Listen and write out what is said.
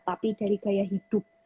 tapi dari gaya hidup